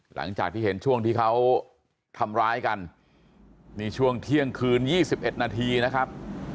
หลังจากที่เห็นช่วงที่เขาทำร้ายกันนี่ช่วงเที่ยงคืน๒๑นาทีนะครับ